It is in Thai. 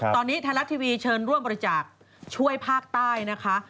ตอนนี้ไทยรัฐทีวีเชิญร่วมบริจาคช่วยภาคใต้นะคะ